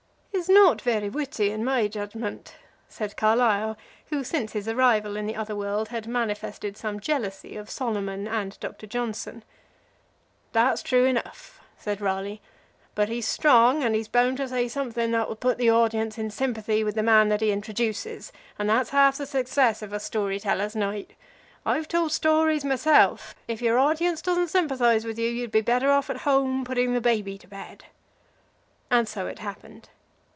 "He's not very witty, in my judgment," said Carlyle, who since his arrival in the other world has manifested some jealousy of Solomon and Doctor Johnson. "That's true enough," said Raleigh; "but he's strong, and he's bound to say something that will put the audience in sympathy with the man that he introduces, and that's half the success of a Story tellers' Night. I've told stories myself. If your audience doesn't sympathize with you you'd be better off at home putting the baby to bed." And so it happened.